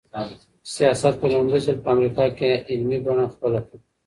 سیاست په لومړي ځل په امریکا کي علمي بڼه خپله کړه.